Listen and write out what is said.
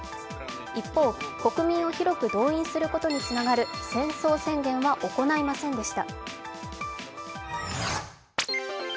一方、国民を広く動員することにつながる戦争宣言は行いませんでした。